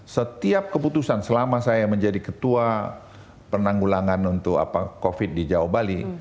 setiap keputusan selama saya menjadi ketua penanggulangan untuk covid di jawa bali